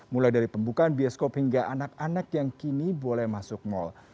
mulai dari pembukaan bioskop hingga anak anak yang kini boleh masuk mal